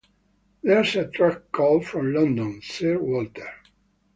There’s a trunk-call from London, Sir Walter.